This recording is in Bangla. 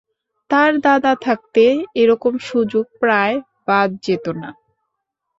তার দাদা থাকতে এরকম সুযোগ প্রায় বাদ যেত না।